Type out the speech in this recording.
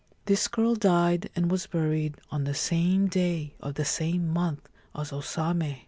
(This girl died and was buried on the same day of the same month as O Same.)